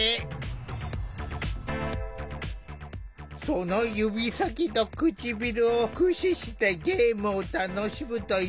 その指先と唇を駆使してゲームを楽しむという上虎。